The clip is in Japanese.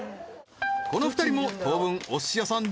この２人も当分お寿司屋さん